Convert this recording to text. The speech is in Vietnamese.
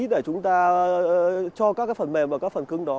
để chúng ta cho các cái phần mềm và các cái phần cứng đó